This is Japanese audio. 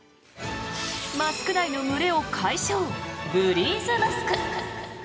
マスク内の蒸れを解消ブリーズマスク。